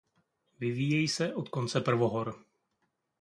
Vyvíjejí se od konce prvohor.